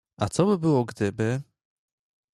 A co by było gdyby?